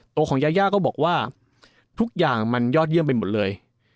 ตัวของยายาก็บอกว่าทุกอย่างมันยอดเยี่ยมไปหมดเลย